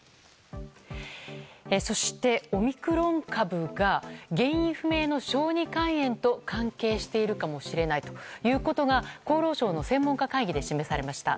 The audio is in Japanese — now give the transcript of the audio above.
そして、オミクロン株が原因不明の小児肝炎と関係しているかもしれないということが厚労省の専門家会議で示されました。